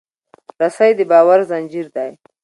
رسۍ د باور زنجیر دی.